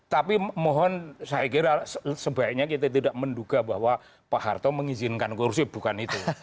tapi mohon saya kira sebaiknya kita tidak menduga bahwa pak harto mengizinkan korupsi bukan itu